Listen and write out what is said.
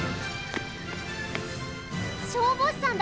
消防士さんだ！